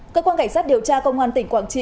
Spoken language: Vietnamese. cơ quan cảnh sát điều tra công an tỉnh quảng trị